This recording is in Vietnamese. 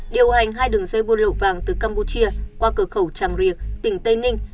điều hành hai đường dây buôn lậu vàng từ campuchia qua cửa khẩu tràng riệc tỉnh tây ninh